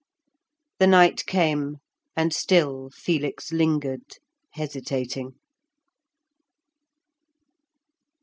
The night came, and still Felix lingered, hesitating.